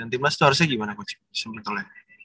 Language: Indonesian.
dan timnas tuh harusnya gimana coach